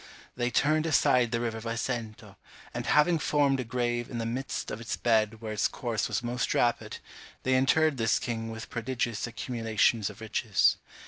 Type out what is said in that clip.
They turned aside the river Vasento; and having formed a grave in the midst of its bed where its course was most rapid, they interred this king with prodigious accumulations of riches.